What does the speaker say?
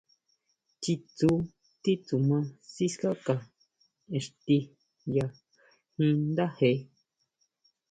Chitsú titsuma sikáka ixti ya jín ndáje.